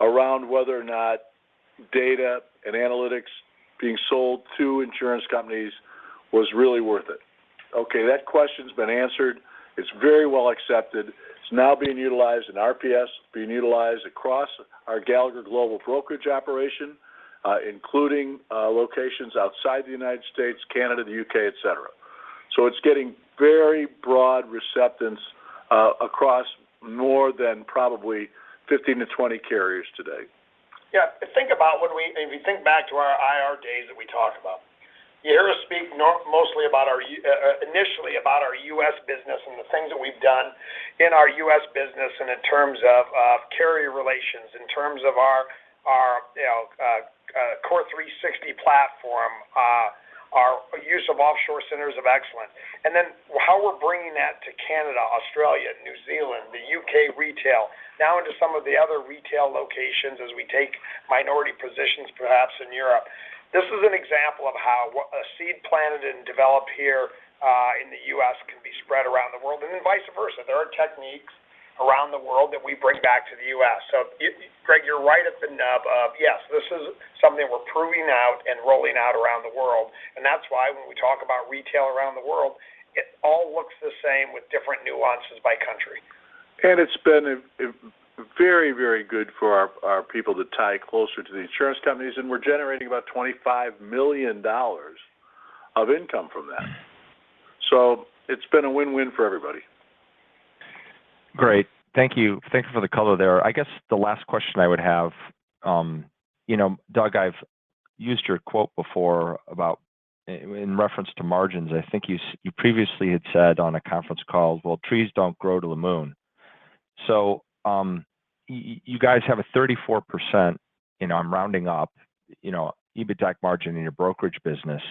around whether or not data and analytics being sold to insurance companies was really worth it. Okay, that question's been answered. It's very well accepted. It's now being utilized in RPS, being utilized across our Gallagher Global Brokerage operation, including locations outside the United States, Canada, the U.K., etc. It's getting very broad acceptance across more than probably 15-20 carriers today. Yeah. Think about if you think back to our IR days that we talked about, you hear us speak normally about our U.S. business and the things that we've done in our U.S. business and in terms of carrier relations, in terms of our, you know, CORE360 platform, our use of offshore centers of excellence. Then how we're bringing that to Canada, Australia, New Zealand, the U.K. retail, now into some of the other retail locations as we take minority positions, perhaps in Europe. This is an example of how a seed planted and developed here in the U.S. can be spread around the world, and then vice versa. There are techniques around the world that we bring back to the U.S. Greg, you're right at the nub of yes, this is something we're proving out and rolling out around the world, and that's why when we talk about retail around the world, it all looks the same with different nuances by country. It's been a very good for our people to tie closer to the insurance companies, and we're generating about $25 million of income from that. It's been a win-win for everybody. Great. Thank you. Thank you for the color there. I guess the last question I would have, you know, Doug, I've used your quote before about in reference to margins. I think you previously had said on a conference call, "Well, trees don't grow to the moon." So, you guys have a 34%, and I'm rounding up, you know, EBITDAC margin in your brokerage business.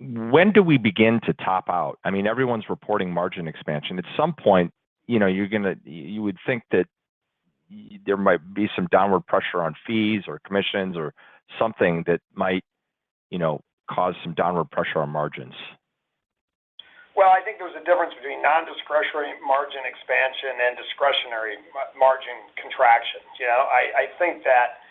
When do we begin to top out? I mean, everyone's reporting margin expansion. At some point, you know, you would think that there might be some downward pressure on fees or commissions or something that might, you know, cause some downward pressure on margins. Well, I think there's a difference between nondiscretionary margin expansion and discretionary margin contraction. You know, I think that,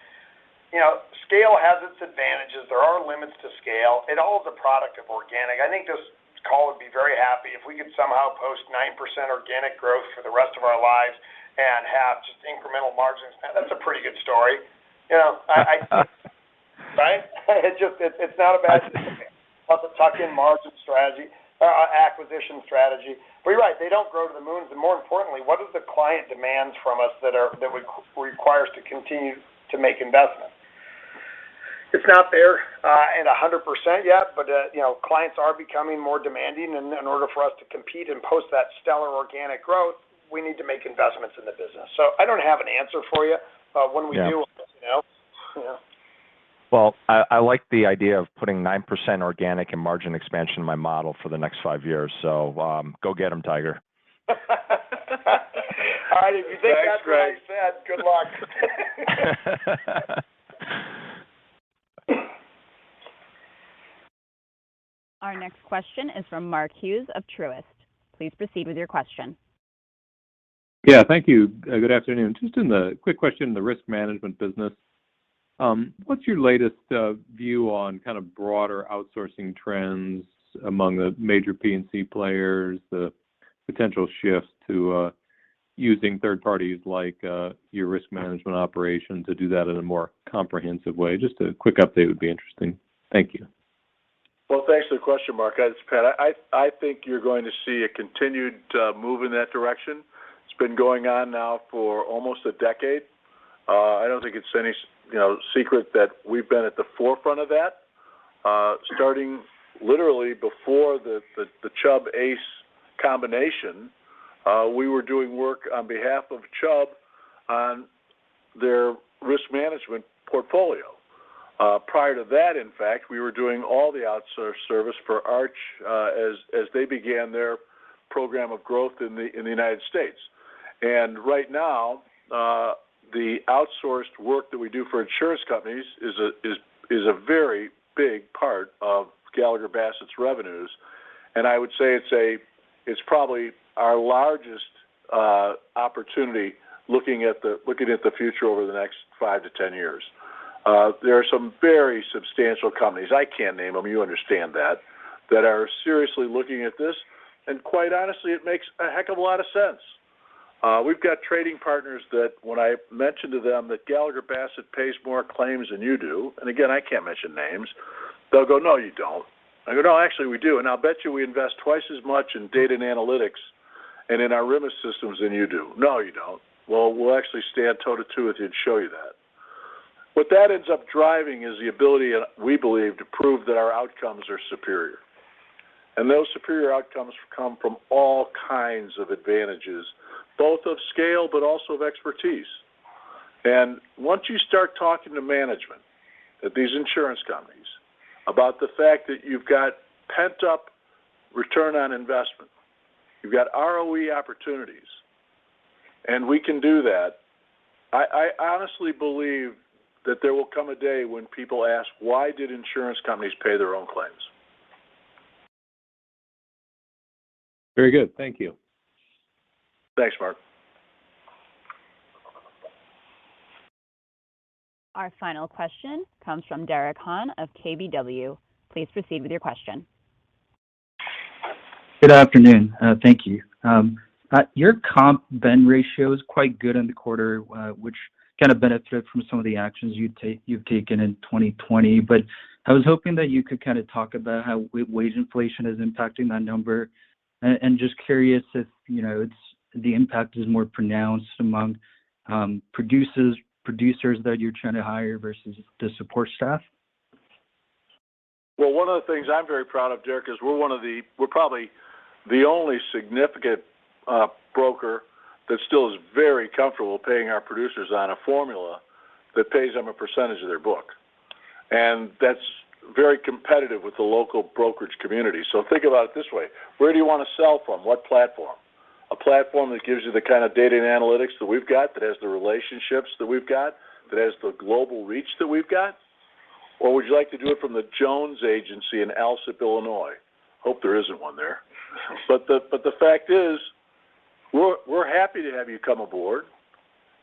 you know, scale has its advantages. There are limits to scale. It all is a product of organic. I think this call would be very happy if we could somehow post 9% organic growth for the rest of our lives and have just incremental margins. That's a pretty good story. You know, right? It's just not about the tuck-in margin strategy or acquisition strategy. You're right, they don't grow to the moon. More importantly, what is the client demands from us that we require us to continue to make investments? It's not there at 100% yet, but you know, clients are becoming more demanding, and in order for us to compete and post that stellar organic growth, we need to make investments in the business. I don't have an answer for you. When we do- Yeah. You know? Yeah. Well, I like the idea of putting 9% organic and margin expansion in my model for the next five years. Go get them, tiger. All right. If you think that's what I said, good luck. Our next question is from Mark Hughes of Truist. Please proceed with your question. Yeah, thank you. Good afternoon. Just a quick question, the risk management business. What's your latest view on kind of broader outsourcing trends among the major P&C players, the potential shifts to using third parties like your risk management operation to do that in a more comprehensive way? Just a quick update would be interesting. Thank you. Well, thanks for the question, Mark. I just kinda think you're going to see a continued move in that direction. It's been going on now for almost a decade. I don't think it's any secret, you know, that we've been at the forefront of that, starting literally before the Chubb-ACE combination. We were doing work on behalf of Chubb on their risk management portfolio. Prior to that, in fact, we were doing all the outsource service for Arch as they began their program of growth in the United States. Right now, the outsourced work that we do for insurance companies is a very big part of Gallagher Bassett's revenues. I would say it's probably our largest opportunity looking at the future over the next 5-10 years. There are some very substantial companies, I can't name them, you understand that are seriously looking at this. Quite honestly, it makes a heck of a lot of sense. We've got trading partners that when I mention to them that Gallagher Bassett pays more claims than you do, and again, I can't mention names, they'll go, "No, you don't." I go, "No, actually, we do. And I'll bet you we invest twice as much in data and analytics and in our RMIS systems than you do." "No, you don't." "Well, we'll actually stand toe-to-toe with you and show you that." What that ends up driving is the ability, we believe, to prove that our outcomes are superior. Those superior outcomes come from all kinds of advantages, both of scale, but also of expertise. Once you start talking to management at these insurance companies about the fact that you've got pent-up return on investment, you've got ROE opportunities, and we can do that, I honestly believe that there will come a day when people ask, why did insurance companies pay their own claims? Very good. Thank you. Thanks, Mark. Our final question comes from Derek Han of KBW. Please proceed with your question. Good afternoon. Thank you. Your comp-ben ratio is quite good in the quarter, which kind of benefit from some of the actions you've taken in 2020. I was hoping that you could kind of talk about how wage inflation is impacting that number. Just curious if, you know, the impact is more pronounced among producers that you're trying to hire versus the support staff. Well, one of the things I'm very proud of, Derek, is we're probably the only significant broker that still is very comfortable paying our producers on a formula that pays them a percentage of their book. That's very competitive with the local brokerage community. Think about it this way. Where do you want to sell from? What platform? A platform that gives you the kind of data and analytics that we've got, that has the relationships that we've got, that has the global reach that we've got, or would you like to do it from the Jones Agency in Alsip, Illinois? Hope there isn't one there. The fact is, we're happy to have you come aboard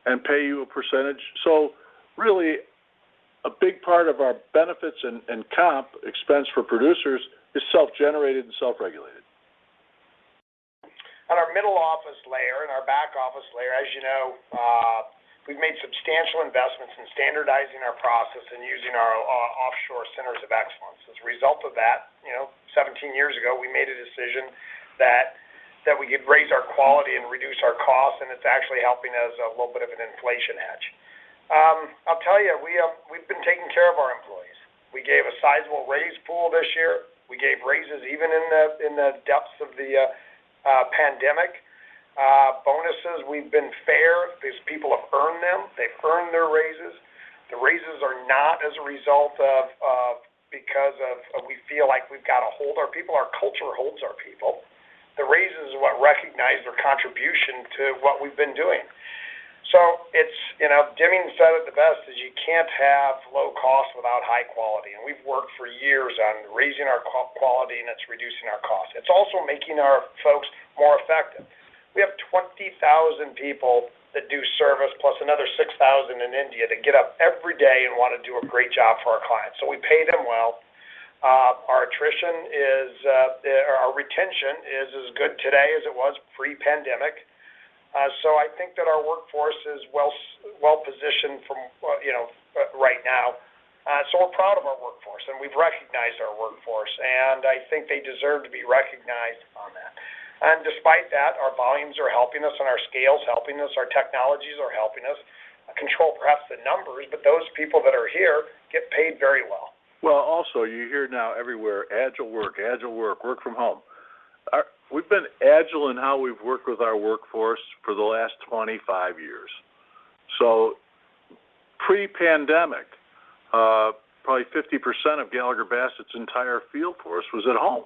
and pay you a percentage. Really a big part of our benefits and comp expense for producers is self-generated and self-regulated. On our middle office layer and our back-office layer, as you know, we've made substantial investments in standardizing our process and using our offshore centers of excellence. As a result of that, 17 years ago, we made a decision that we could raise our quality and reduce our costs, and it's actually helping us a little bit of an inflation hedge. I'll tell you, we've been taking care of our employees. We gave a sizable raise pool this year. We gave raises even in the depths of the pandemic. Bonuses, we've been fair. These people have earned them. They've earned their raises. The raises are not as a result of because we feel like we've got to hold our people. Our culture holds our people. The raises what recognize their contribution to what we've been doing. It's Jim said it the best is you can't have low cost without high quality. We've worked for years on raising our quality, and it's reducing our cost. It's also making our folks more effective. We have 20,000 people that do service plus another 6,000 in India that get up every day and want to do a great job for our clients. We pay them well. Our retention is as good today as it was pre-pandemic. I think that our workforce is well positioned from right now. We're proud of our workforce, and we've recognized our workforce, and I think they deserve to be recognized on that. Despite that, our volumes are helping us, and our scale is helping us. Our technologies are helping us control perhaps the numbers, but those people that are here get paid very well. Well, also, you hear now everywhere, agile work from home. We've been agile in how we've worked with our workforce for the last 25 years. Pre-pandemic, probably 50% of Gallagher Bassett's entire field force was at home.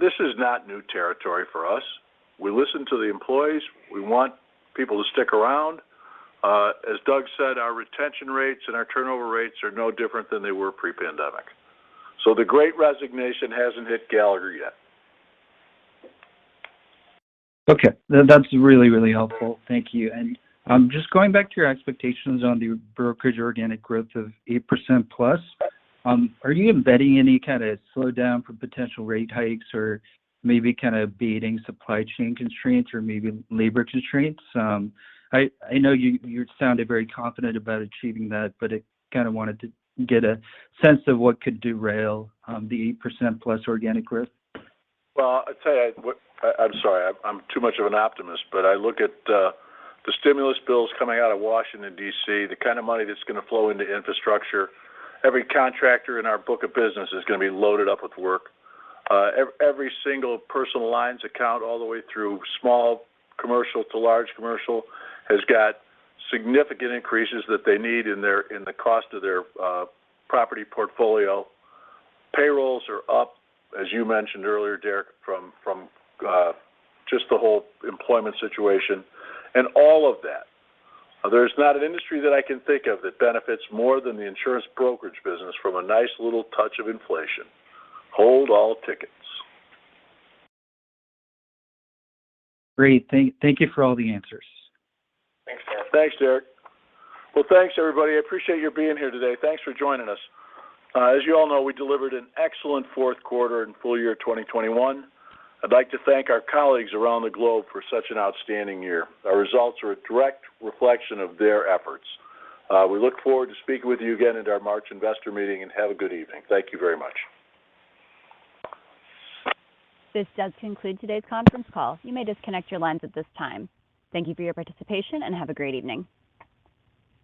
This is not new territory for us. We listen to the employees. We want people to stick around. As Doug said, our retention rates and our turnover rates are no different than they were pre-pandemic. The Great Resignation hasn't hit Gallagher yet. Okay. That's really, really helpful. Thank you. Just going back to your expectations on the brokerage organic growth of 8%+, are you embedding any kind of slowdown from potential rate hikes or maybe kind of beaten by supply chain constraints or maybe labor constraints? I know you sounded very confident about achieving that, but I kind of wanted to get a sense of what could derail the 8%+ organic growth. Well, I'd say I'm sorry, I'm too much of an optimist, but I look at the stimulus bills coming out of Washington, D.C., the kind of money that's going to flow into infrastructure. Every contractor in our book of business is going to be loaded up with work. Every single personal line account all the way through small commercial to large commercial has got significant increases that they need in the cost of their property portfolio. Payrolls are up, as you mentioned earlier, Derek, from just the whole employment situation and all of that. There's not an industry that I can think of that benefits more than the insurance brokerage business from a nice little touch of inflation. Hold all tickets. Great. Thank you for all the answers. Thanks, Derek. Thanks, Derek. Well, thanks, everybody. I appreciate you being here today. Thanks for joining us. As you all know, we delivered an excellent fourth quarter in full year 2021. I'd like to thank our colleagues around the globe for such an outstanding year. Our results are a direct reflection of their efforts. We look forward to speaking with you again at our March investor meeting and have a good evening. Thank you very much. This does conclude today's conference call. You may disconnect your lines at this time. Thank you for your participation, and have a great evening.